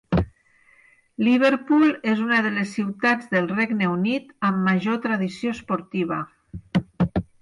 Liverpool és una de les ciutats del Regne Unit amb major tradició esportiva.